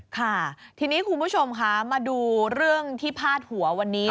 ค่ะทีนี้คุณผู้ชมคะมาดูเรื่องที่พาดหัววันนี้